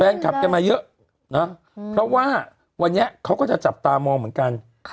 ขับกันมาเยอะนะเพราะว่าวันนี้เขาก็จะจับตามองเหมือนกัน